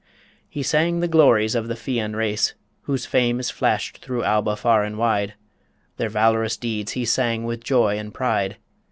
He sang the glories of the Fian race, Whose fame is flashed through Alba far and wide Their valorous deeds he sang with joy and pride